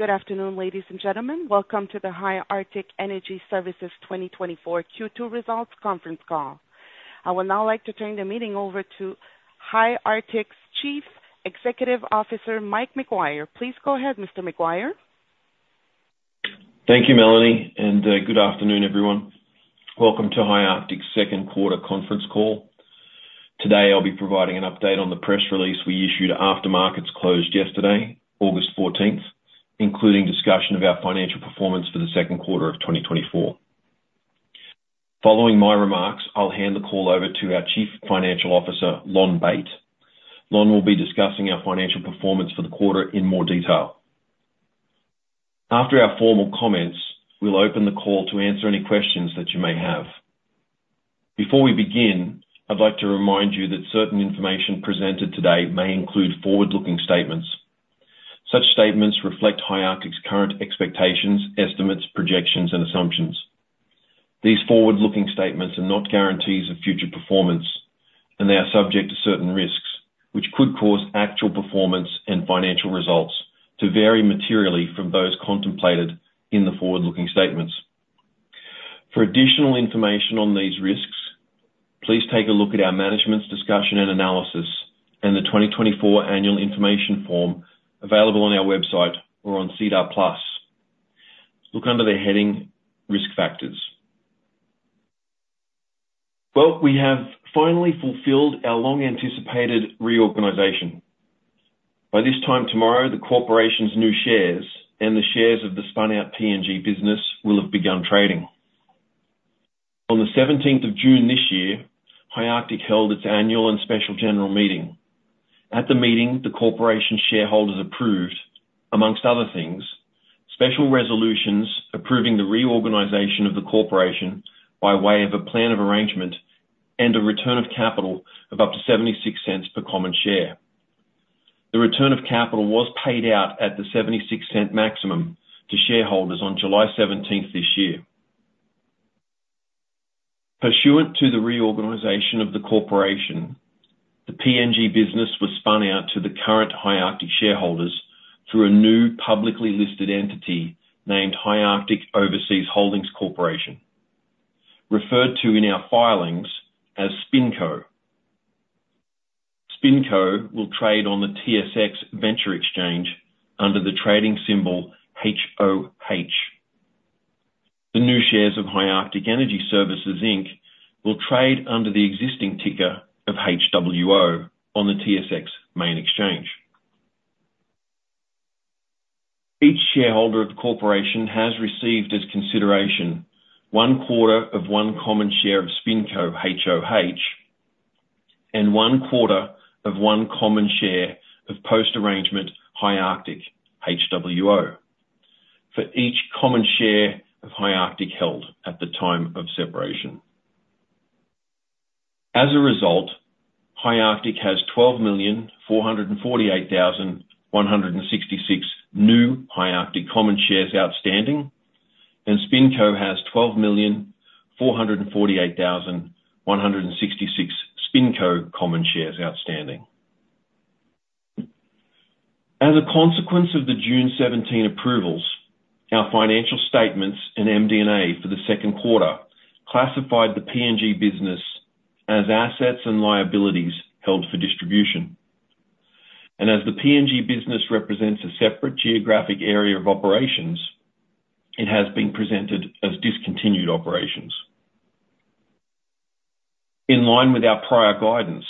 Good afternoon, ladies and gentlemen. Welcome to the High Arctic Energy Services 2024 Q2 results conference call. I would now like to turn the meeting over to High Arctic's Chief Executive Officer, Mike Maguire. Please go ahead, Mr. Maguire. Thank you, Melanie, and good afternoon, everyone. Welcome to High Arctic's second quarter conference call. Today, I'll be providing an update on the press release we issued after markets closed yesterday, August 14th, including discussion of our financial performance for the second quarter of 2024. Following my remarks, I'll hand the call over to our Chief Financial Officer, Lonn Bate. Lonn will be discussing our financial performance for the quarter in more detail. After our formal comments, we'll open the call to answer any questions that you may have. Before we begin, I'd like to remind you that certain information presented today may include forward-looking statements. Such statements reflect High Arctic's current expectations, estimates, projections, and assumptions. These forward-looking statements are not guarantees of future performance, and they are subject to certain risks, which could cause actual performance and financial results to vary materially from those contemplated in the forward-looking statements. For additional information on these risks, please take a look at our management's discussion and analysis in the 2024 annual information form available on our website or on SEDAR+. Look under the heading "Risk Factors." Well, we have finally fulfilled our long-anticipated reorganization. By this time tomorrow, the corporation's new shares and the shares of the spun out PNG business will have begun trading. On the 17th of June this year, High Arctic held its annual and special general meeting. At the meeting, the corporation shareholders approved, among other things, special resolutions approving the reorganization of the corporation by way of a plan of arrangement and a return of capital of up to 0.76 per common share. The return of capital was paid out at the 0.76 maximum to shareholders on July 17th this year. Pursuant to the reorganization of the corporation, the PNG business was spun out to the current High Arctic shareholders through a new publicly listed entity named High Arctic Overseas Holdings Corporation, referred to in our filings as SpinCo. SpinCo will trade on the TSX Venture Exchange under the trading symbol HOH. The new shares of High Arctic Energy Services, Inc. will trade under the existing ticker of HWO on the TSX Main Exchange. Each shareholder of the corporation has received as consideration one quarter of one common share of SpinCo, HOH, and one quarter of one common share of post-arrangement High Arctic, HWO, for each common share of High Arctic held at the time of separation. As a result, High Arctic has 12,448,166 new High Arctic common shares outstanding, and SpinCo has 12,448,166 SpinCo common shares outstanding. As a consequence of the June 17th approvals, our financial statements and MD&A for the second quarter classified the PNG business as assets and liabilities held for distribution. As the PNG business represents a separate geographic area of operations, it has been presented as discontinued operations. In line with our prior guidance,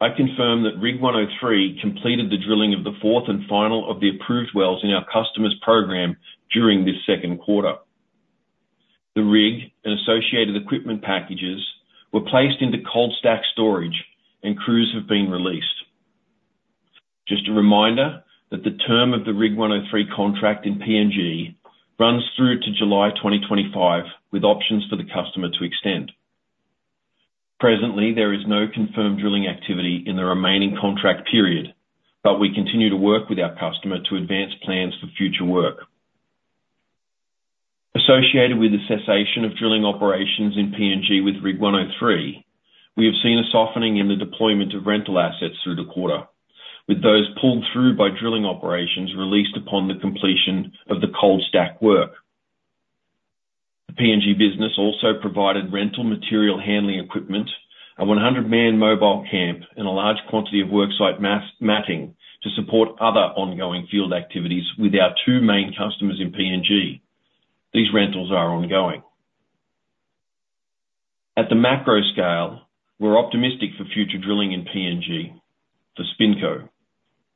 I confirm that Rig 103 completed the drilling of the fourth and final of the approved wells in our customer's program during this second quarter. The rig and associated equipment packages were placed into cold stack storage and crews have been released. Just a reminder that the term of the Rig 103 contract in PNG runs through to July 2025, with options for the customer to extend. Presently, there is no confirmed drilling activity in the remaining contract period, but we continue to work with our customer to advance plans for future work. Associated with the cessation of drilling operations in PNG with Rig 103, we have seen a softening in the deployment of rental assets through the quarter, with those pulled through by drilling operations released upon the completion of the cold stack work. The PNG business also provided rental material handling equipment, a 100-man mobile camp, and a large quantity of work site matting to support other ongoing field activities with our two main customers in PNG. These rentals are ongoing. At the macro scale, we're optimistic for future drilling in PNG for SpinCo.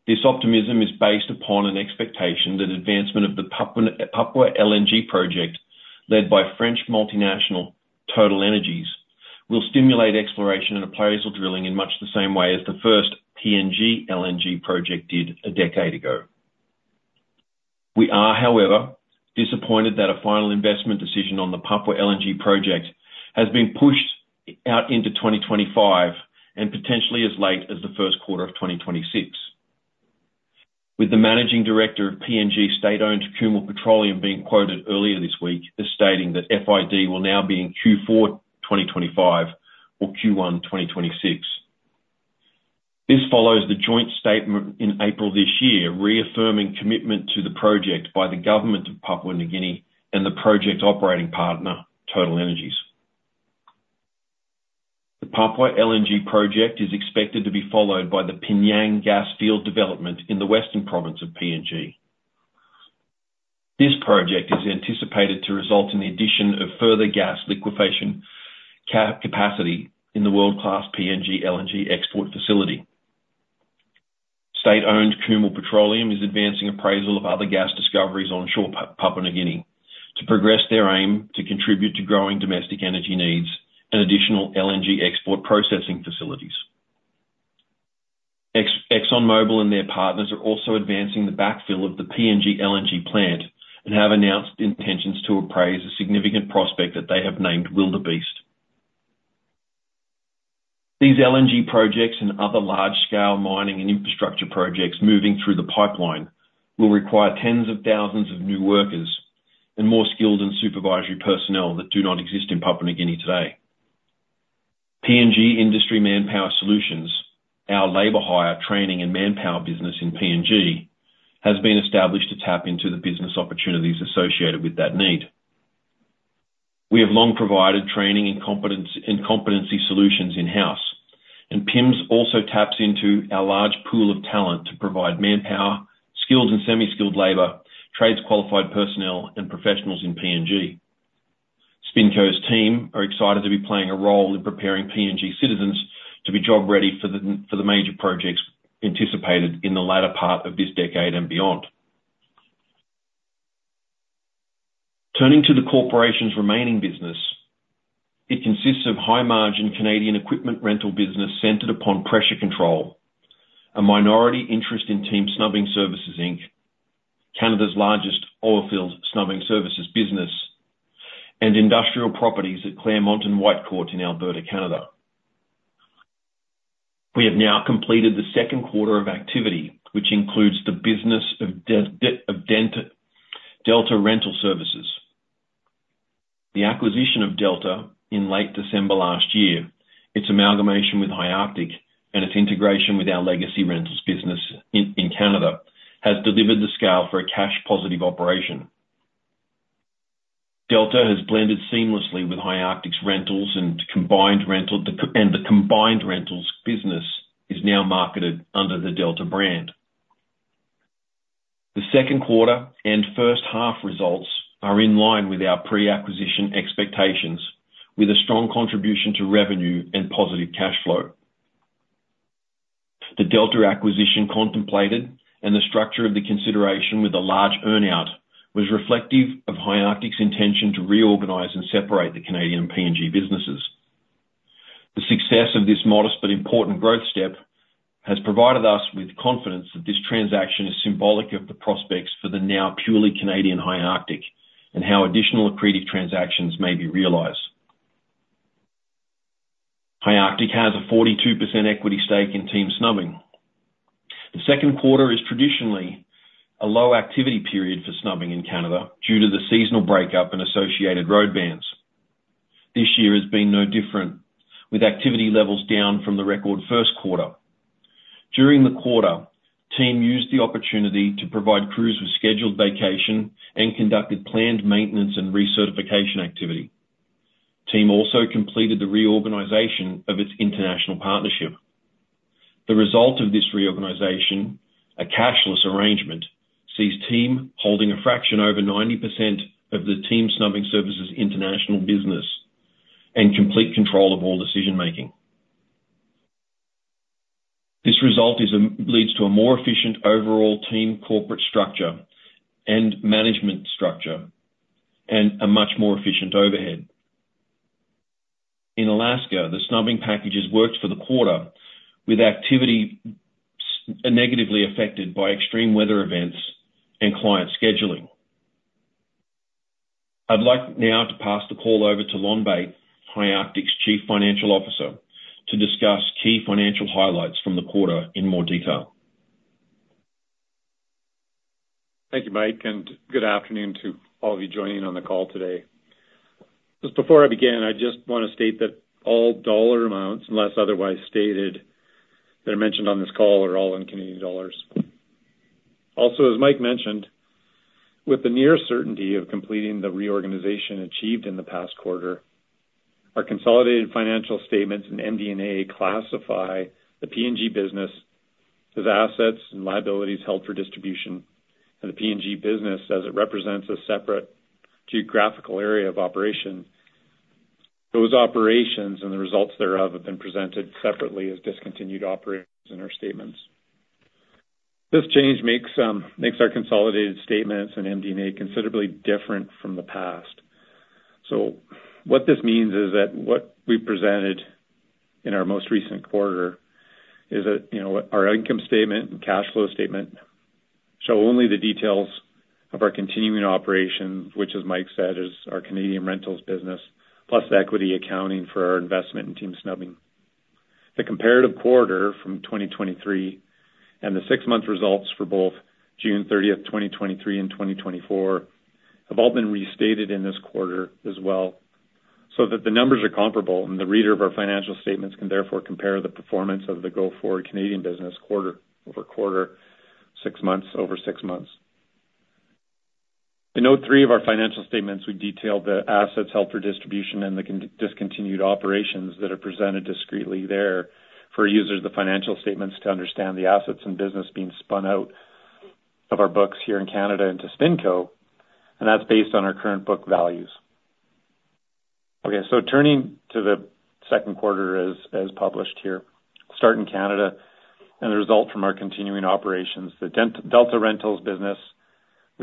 This optimism is based upon an expectation that advancement of the Papua LNG project, led by French multinational TotalEnergies, will stimulate exploration and appraisal drilling in much the same way as the first PNG LNG project did a decade ago. We are, however, disappointed that a final investment decision on the Papua LNG project has been pushed out into 2025 and potentially as late as the first quarter of 2026, with the managing director of PNG state-owned Kumul Petroleum being quoted earlier this week as stating that FID will now be in Q4 2025 or Q1 2026. This follows the joint statement in April this year, reaffirming commitment to the project by the government of Papua New Guinea and the project operating partner, TotalEnergies. The Papua LNG project is expected to be followed by the PNG gas field development in the Western Province of PNG. This project is anticipated to result in the addition of further gas liquefaction capacity in the world-class PNG LNG export facility. State-owned Kumul Petroleum is advancing appraisal of other gas discoveries onshore Papua New Guinea, to progress their aim to contribute to growing domestic energy needs and additional LNG export processing facilities. ExxonMobil and their partners are also advancing the backfill of the PNG LNG plant and have announced intentions to appraise a significant prospect that they have named Wildebeest. These LNG projects and other large-scale mining and infrastructure projects moving through the pipeline will require tens of thousands of new workers and more skilled and supervisory personnel that do not exist in Papua New Guinea today. PNG Industry Manpower Solutions, our labor hire, training, and manpower business in PNG, has been established to tap into the business opportunities associated with that need. We have long provided training and competence, and competency solutions in-house, and PIMS also taps into our large pool of talent to provide manpower, skills, and semi-skilled labor, trades, qualified personnel, and professionals in PNG. SpinCo's team are excited to be playing a role in preparing PNG citizens to be job-ready for the major projects anticipated in the latter part of this decade and beyond. Turning to the corporation's remaining business, it consists of high-margin Canadian equipment rental business centered upon pressure control, a minority interest in Team Snubbing Services Inc., Canada's largest oilfield snubbing services business, and industrial properties at Clairmont and Whitecourt in Alberta, Canada. We have now completed the second quarter of activity, which includes the business of Delta Rental Services. The acquisition of Delta in late December last year, its amalgamation with High Arctic, and its integration with our legacy rentals business in Canada, has delivered the scale for a cash-positive operation. Delta has blended seamlessly with High Arctic's rentals, and the combined rentals business is now marketed under the Delta brand. The second quarter and first half results are in line with our pre-acquisition expectations, with a strong contribution to revenue and positive cash flow. The Delta acquisition contemplated and the structure of the consideration with a large earn-out, was reflective of High Arctic's intention to reorganize and separate the Canadian PNG businesses. The success of this modest but important growth step, has provided us with confidence that this transaction is symbolic of the prospects for the now purely Canadian High Arctic, and how additional accretive transactions may be realized. High Arctic has a 42% equity stake in Team Snubbing. The second quarter is traditionally a low activity period for snubbing in Canada, due to the seasonal breakup and associated road bans. This year has been no different, with activity levels down from the record first quarter. During the quarter, Team used the opportunity to provide crews with scheduled vacation and conducted planned maintenance and recertification activity. Team also completed the reorganization of its international partnership. The result of this reorganization, a cashless arrangement, sees Team holding a fraction over 90% of the Team Snubbing Services international business and complete control of all decision-making. This result leads to a more efficient overall team, corporate structure and management structure, and a much more efficient overhead. In Alaska, the snubbing packages worked for the quarter, with activity negatively affected by extreme weather events and client scheduling. I'd like now to pass the call over to Lonn Bate, High Arctic's Chief Financial Officer, to discuss key financial highlights from the quarter in more detail. Thank you, Mike, and good afternoon to all of you joining on the call today. Just before I begin, I just wanna state that all dollar amounts, unless otherwise stated or mentioned on this call, are all in Canadian dollars. Also, as Mike mentioned, with the near certainty of completing the reorganization achieved in the past quarter, our consolidated financial statements and MD&A classify the PNG business as assets and liabilities held for distribution, and the PNG business, as it represents a separate geographical area of operation. Those operations and the results thereof, have been presented separately as discontinued operations in our statements. This change makes our consolidated statements and MD&A considerably different from the past. What this means is that what we presented in our most recent quarter is that, you know, our income statement and cash flow statement show only the details of our continuing operations, which, as Mike said, is our Canadian rentals business, plus equity accounting for our investment in Team Snubbing. The comparative quarter from 2023 and the six-month results for both June 30th, 2023 and 2024, have all been restated in this quarter as well, so that the numbers are comparable, and the reader of our financial statements can therefore compare the performance of the go-forward Canadian business quarter-over-quarter, six months over six months. In note three of our financial statements, we detailed the assets held for distribution and the discontinued operations that are presented discretely there for users of the financial statements to understand the assets and business being spun out of our books here in Canada into SpinCo, and that's based on our current book values. Okay, so turning to the second quarter as published here, starting Canada and the result from our continuing operations, the Delta Rentals business,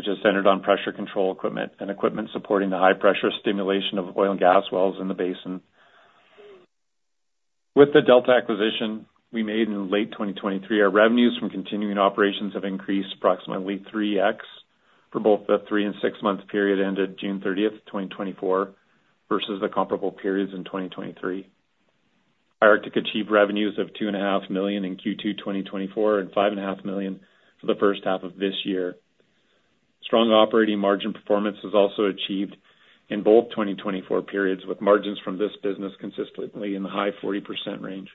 which is centered on pressure control equipment and equipment supporting the high pressure stimulation of oil and gas wells in the basin. With the Delta acquisition we made in late 2023, our revenues from continuing operations have increased approximately 3x for both the 3- and 6-month period ended June 30th, 2024, versus the comparable periods in 2023. High Arctic achieved revenues of 2.5 million in Q2 2024, and 5.5 million for the first half of this year. Strong operating margin performance was also achieved in both 2024 periods, with margins from this business consistently in the high 40% range.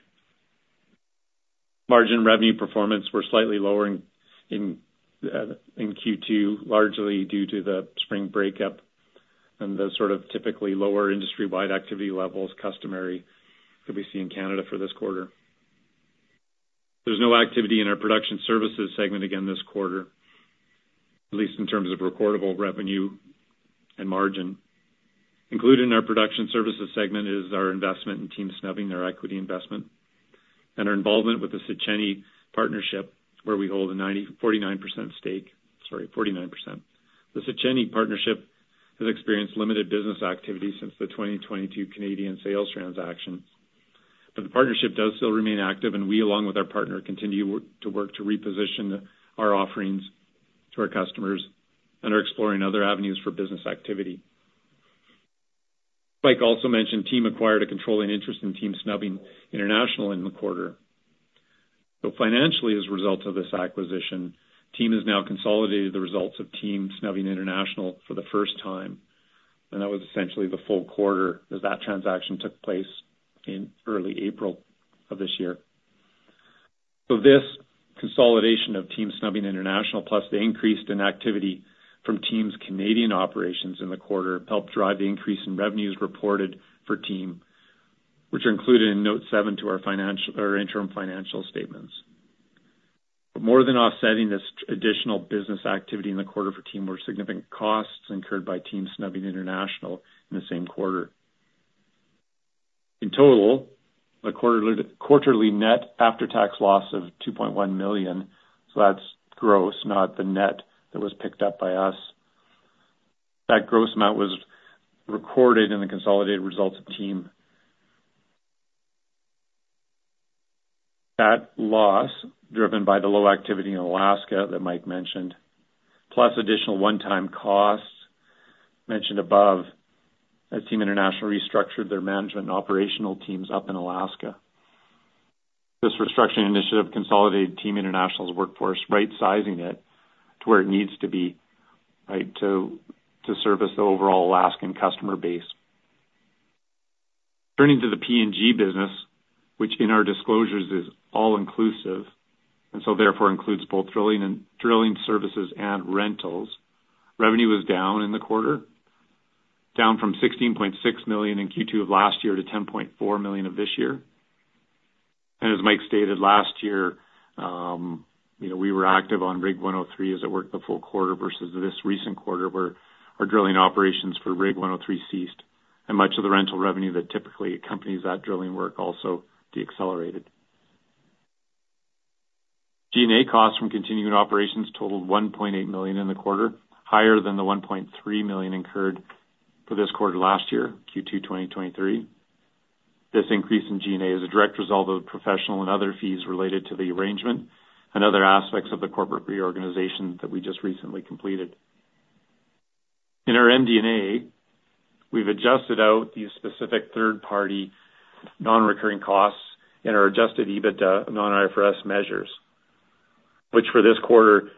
Margin revenue performance were slightly lower in Q2, largely due to the spring breakup and the sort of typically lower industry-wide activity levels customary that we see in Canada for this quarter. There's no activity in our production services segment again this quarter, at least in terms of recordable revenue and margin. Included in our production services segment is our investment in Team Snubbing, their equity investment, and our involvement with the Seh' Chene partnership, where we hold a 49% stake. Sorry, 49%. The Seh' Chene Partnership has experienced limited business activity since the 2022 Canadian sales transaction, but the partnership does still remain active, and we, along with our partner, continue to work to reposition our offerings to our customers and are exploring other avenues for business activity. Mike also mentioned Team acquired a controlling interest in Team Snubbing International in the quarter. So financially, as a result of this acquisition, Team has now consolidated the results of Team Snubbing International for the first time, and that was essentially the full quarter, as that transaction took place in early April of this year. So this consolidation of Team Snubbing International, plus the increase in activity from Team's Canadian operations in the quarter, helped drive the increase in revenues reported for Team, which are included in note 7 to our financial... our interim financial statements. But more than offsetting this additional business activity in the quarter for Team were significant costs incurred by Team Snubbing International in the same quarter. In total, a quarterly net after-tax loss of 2.1 million, so that's gross, not the net that was picked up by us. That gross amount was recorded in the consolidated results of Team. That loss, driven by the low activity in Alaska that Mike mentioned, plus additional one-time costs mentioned above, as Team International restructured their management and operational teams up in Alaska. This restructuring initiative consolidated Team International's workforce, right-sizing it to where it needs to be, right, to service the overall Alaskan customer base. Turning to the PNG business, which in our disclosures is all inclusive, and so therefore includes both drilling and drilling services and rentals. Revenue was down in the quarter, down from 16.6 million in Q2 of last year to 10.4 million of this year. As Mike stated last year, you know, we were active on Rig 103 as it worked the full quarter versus this recent quarter, where our drilling operations for Rig 103 ceased, and much of the rental revenue that typically accompanies that drilling work also decelerated. G&A costs from continuing operations totaled 1.8 million in the quarter, higher than the 1.3 million incurred for this quarter last year, Q2 2023. This increase in G&A is a direct result of professional and other fees related to the arrangement and other aspects of the corporate reorganization that we just recently completed. In our MD&A, we've adjusted out these specific third-party, non-recurring costs in our adjusted EBITDA and non-IFRS measures, which for this quarter,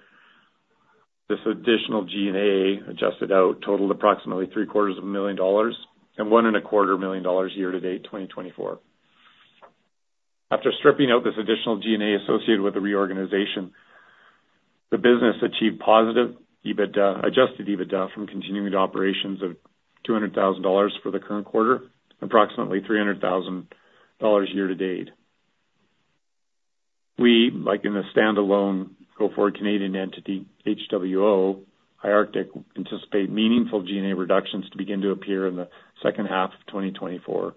this additional G&A adjusted out totaled approximately 750,000 dollars and 1.25 million dollars year-to-date, 2024. After stripping out this additional G&A associated with the reorganization, the business achieved positive EBITDA, adjusted EBITDA from continuing operations of 200,000 dollars for the current quarter, approximately 300,000 dollars year to date. We, like in the standalone go-forward Canadian entity, HWO, High Arctic, anticipate meaningful G&A reductions to begin to appear in the second half of 2024.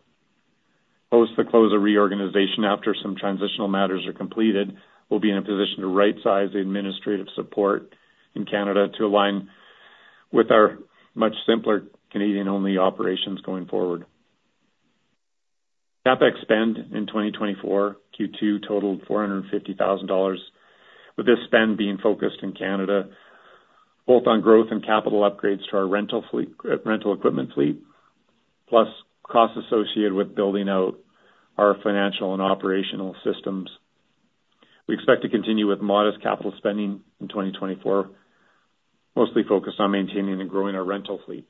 Post the close of reorganization, after some transitional matters are completed, we'll be in a position to right size the administrative support in Canada to align with our much simpler Canadian-only operations going forward. CapEx spend in 2024, Q2 totaled 450,000 dollars, with this spend being focused in Canada, both on growth and capital upgrades to our rental fleet, rental equipment fleet, plus costs associated with building out our financial and operational systems. We expect to continue with modest capital spending in 2024, mostly focused on maintaining and growing our rental fleet.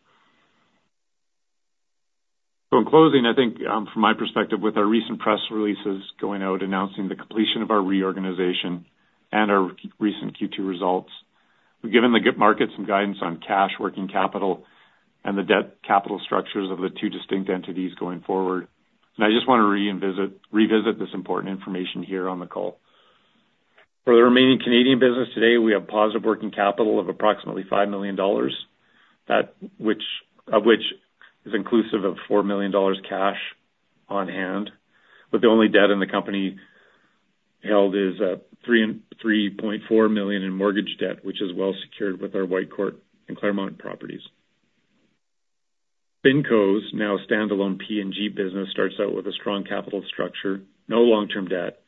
So in closing, I think, from my perspective, with our recent press releases going out, announcing the completion of our reorganization and our recent Q2 results, we've given the markets some guidance on cash, working capital, and the debt capital structures of the two distinct entities going forward. I just want to revisit this important information here on the call. For the remaining Canadian business today, we have positive working capital of approximately 5 million dollars. of which is inclusive of 4 million dollars cash on hand, with the only debt in the company held is three and 3.4 million in mortgage debt, which is well secured with our Whitecourt and Clairmont properties. SpinCo's now standalone PNG business starts out with a strong capital structure, no long-term debt,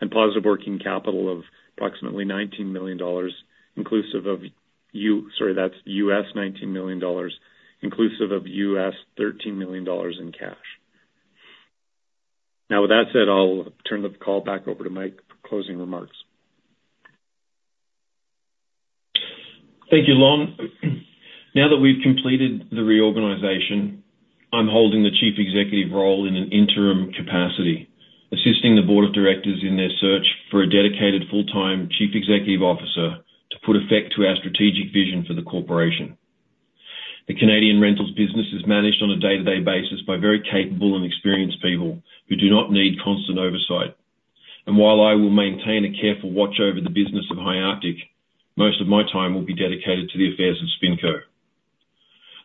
and positive working capital of approximately $19 million, inclusive of... Sorry, that's US $19 million, inclusive of US $13 million in cash. Now, with that said, I'll turn the call back over to Mike for closing remarks. Thank you, Lonn. Now that we've completed the reorganization, I'm holding the Chief Executive role in an interim capacity, assisting the board of directors in their search for a dedicated full-time Chief Executive Officer to put effect to our strategic vision for the corporation. The Canadian rentals business is managed on a day-to-day basis by very capable and experienced people, who do not need constant oversight. And while I will maintain a careful watch over the business of High Arctic, most of my time will be dedicated to the affairs of SpinCo.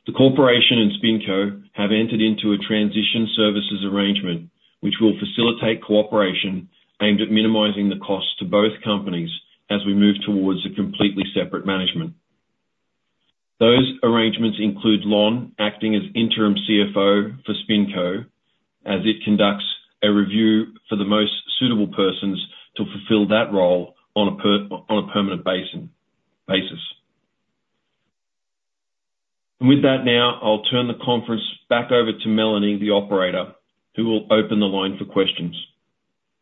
The corporation and SpinCo have entered into a transition services arrangement, which will facilitate cooperation aimed at minimizing the costs to both companies as we move towards a completely separate management. Those arrangements include Lonn, acting as interim CFO for SpinCo, as it conducts a review for the most suitable persons to fulfill that role on a permanent basis. With that, now, I'll turn the conference back over to Melanie, the operator, who will open the line for questions.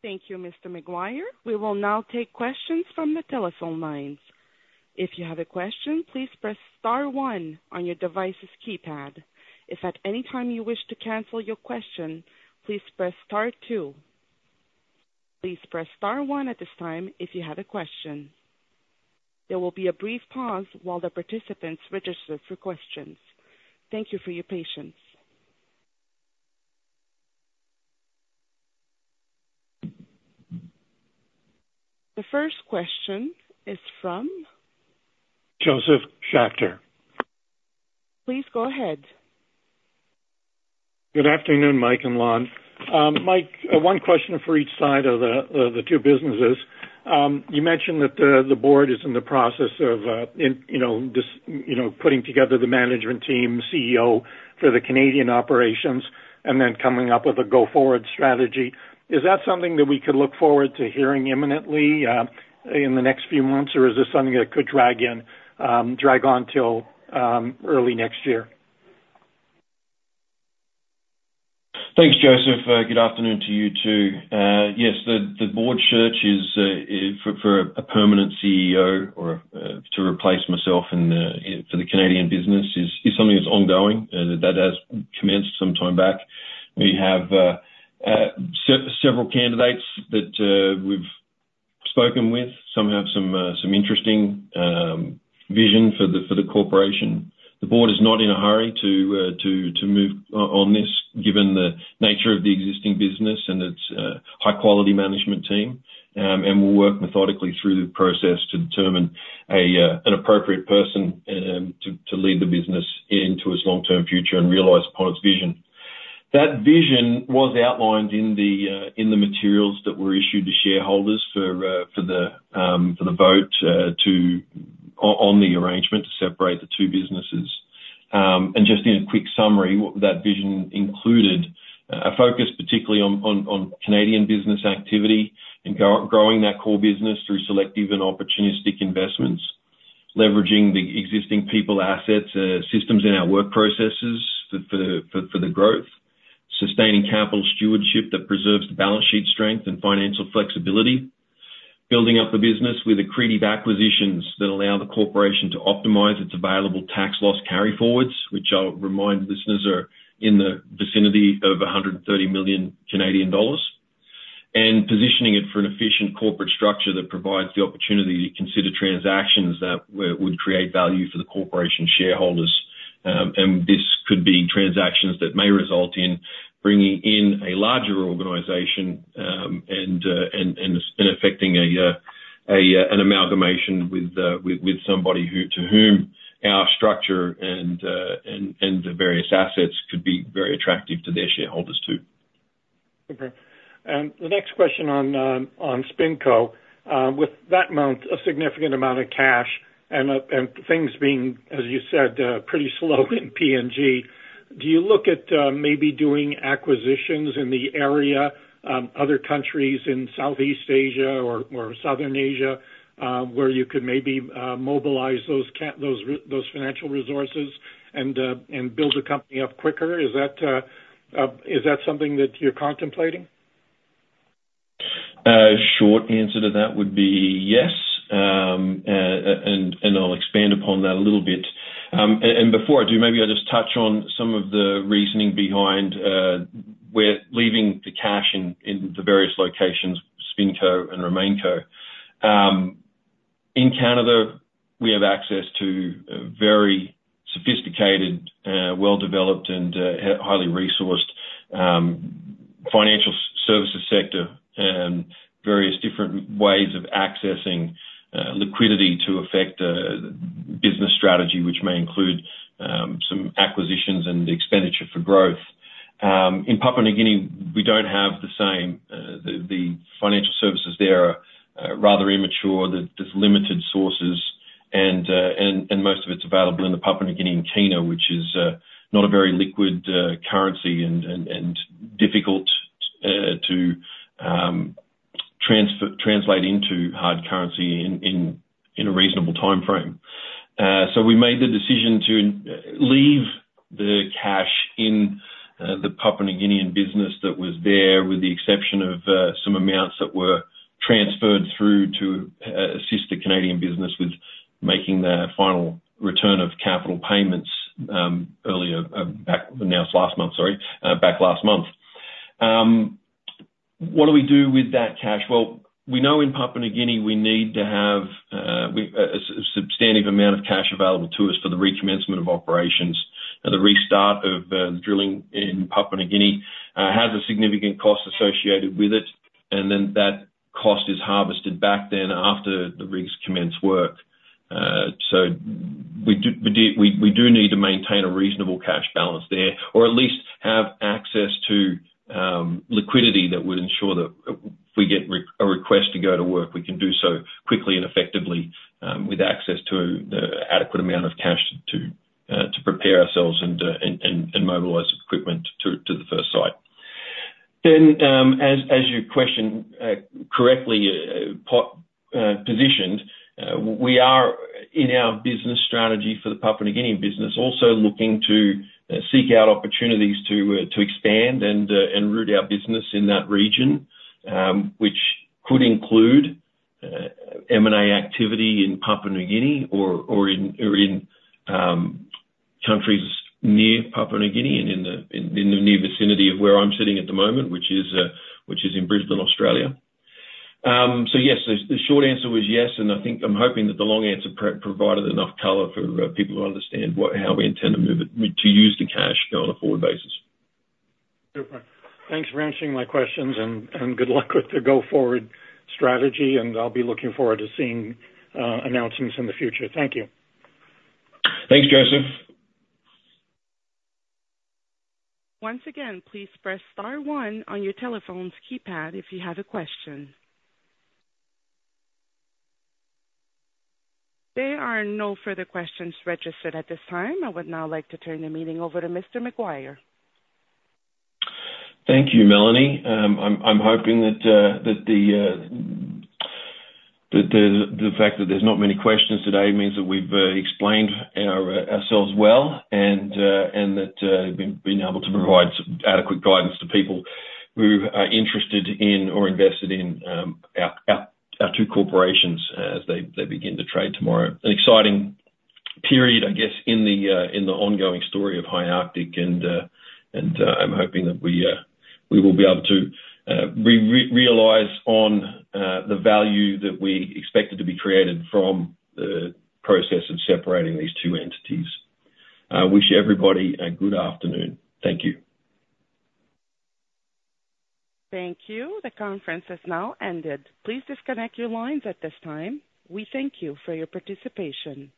Thank you, Mr. Maguire. We will now take questions from the telephone lines. If you have a question, please press star one on your device's keypad. If at any time you wish to cancel your question, please press star two. Please press star one at this time if you have a question. There will be a brief pause while the participants register for questions. Thank you for your patience. The first question is from? Josef Schachter. Please go ahead. Good afternoon, Mike and Lonn. Mike, one question for each side of the two businesses. You mentioned that the board is in the process of, you know, just, you know, putting together the management team, CEO, for the Canadian operations, and then coming up with a go-forward strategy. Is that something that we could look forward to hearing imminently, in the next few months, or is this something that could drag on till early next year? Thanks, Josef. Good afternoon to you, too. Yes, the board search is for a permanent CEO or to replace myself for the Canadian business is something that's ongoing, and that has commenced some time back. We have several candidates that we've spoken with. Some have some interesting vision for the corporation. The board is not in a hurry to move on this, given the nature of the existing business and its high quality management team. And we'll work methodically through the process to determine an appropriate person to lead the business into its long-term future and realize upon its vision. That vision was outlined in the materials that were issued to shareholders for the vote on the arrangement to separate the two businesses. And just in a quick summary, what that vision included, a focus particularly on Canadian business activity and growing that core business through selective and opportunistic investments. Leveraging the existing people, assets, systems in our work processes for the growth. Sustaining capital stewardship that preserves the balance sheet strength and financial flexibility. Building up a business with accretive acquisitions that allow the corporation to optimize its available tax loss carry forwards, which I'll remind listeners, are in the vicinity of 130 million Canadian dollars. Positioning it for an efficient corporate structure that provides the opportunity to consider transactions that would create value for the corporation shareholders. This could be transactions that may result in bringing in a larger organization, and affecting an amalgamation with somebody who, to whom our structure and the various assets could be very attractive to their shareholders, too. Okay. And the next question on SpinCo. With that amount, a significant amount of cash and things being, as you said, pretty slow in PNG, do you look at maybe doing acquisitions in the area, other countries in Southeast Asia or Southern Asia, where you could maybe mobilize those financial resources and build the company up quicker? Is that something that you're contemplating? Short answer to that would be yes. And I'll expand upon that a little bit. And before I do, maybe I'll just touch on some of the reasoning behind we're leaving the cash in the various locations, SpinCo and RemainCo. In Canada, we have access to a very sophisticated, well-developed and highly resourced financial services sector, and various different ways of accessing liquidity to affect business strategy, which may include some acquisitions and expenditure for growth. In Papua New Guinea, we don't have the same. The financial services there are rather immature. There's limited sources, and most of it's available in the Papua New Guinea kina, which is not a very liquid currency and difficult to translate into hard currency in a reasonable timeframe. So we made the decision to leave the cash in the Papua New Guinean business that was there, with the exception of some amounts that were transferred through to assist the Canadian business with making the final return of capital payments earlier back, announced last month, sorry, back last month. What do we do with that cash? Well, we know in Papua New Guinea, we need to have a substantive amount of cash available to us for the recommencement of operations. Now, the restart of drilling in Papua New Guinea has a significant cost associated with it, and then that cost is harvested back then after the rigs commence work. So we do need to maintain a reasonable cash balance there, or at least have access to liquidity that would ensure that, if we get a request to go to work, we can do so quickly and effectively with access to the adequate amount of cash to prepare ourselves and mobilize equipment to the first site. Then, as your question correctly positioned, we are in our business strategy for the Papua New Guinea business, also looking to seek out opportunities to expand and root our business in that region, which could include M&A activity in Papua New Guinea or in countries near Papua New Guinea and in the near vicinity of where I'm sitting at the moment, which is in Brisbane, Australia. So yes, the short answer was yes, and I think... I'm hoping that the long answer provided enough color for people to understand what, how we intend to move it, we, to use the cash on a forward basis. Perfect. Thanks for answering my questions, and good luck with the go-forward strategy, and I'll be looking forward to seeing announcements in the future. Thank you. Thanks, Josef. Once again, please press star one on your telephone's keypad if you have a question. There are no further questions registered at this time. I would now like to turn the meeting over to Mr. Maguire. Thank you, Melanie. I'm hoping that the fact that there's not many questions today means that we've explained ourselves well, and and that we've been able to provide some adequate guidance to people who are interested in or invested in our two corporations as they begin to trade tomorrow. An exciting period, I guess, in the ongoing story of High Arctic, and and I'm hoping that we will be able to realize on the value that we expected to be created from the process of separating these two entities. I wish everybody a good afternoon. Thank you. Thank you. The conference has now ended. Please disconnect your lines at this time. We thank you for your participation.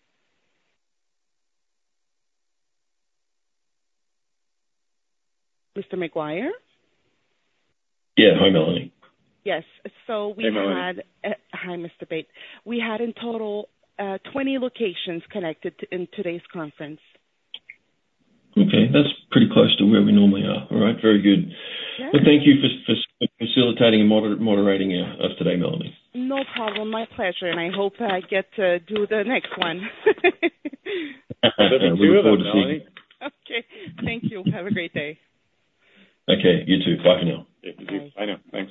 Mr. Maguire? Yeah. Hi, Melanie. Yes. So we had- Hey, Melanie. Hi, Mr. Bate. We had in total, 20 locations connected in today's conference. Okay. That's pretty close to where we normally are. All right, very good. Yeah. Well, thank you for facilitating and moderating us today, Melanie. No problem. My pleasure, and I hope I get to do the next one. We look forward to seeing you Melanie. Okay. Thank you. Have a great day. Okay, you too. Bye for now. Yeah, you too. Bye now. Thanks.